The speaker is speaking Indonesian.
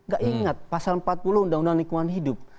gak ingat pasal empat puluh undang undang lingkungan hidup